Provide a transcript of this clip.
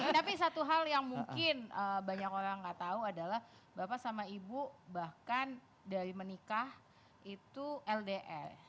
tapi satu hal yang mungkin banyak orang nggak tahu adalah bapak sama ibu bahkan dari menikah itu ldr